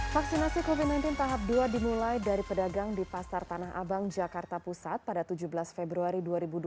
vaksinasi covid sembilan belas tahap dua dimulai dari pedagang di pasar tanah abang jakarta pusat pada tujuh belas februari dua ribu dua puluh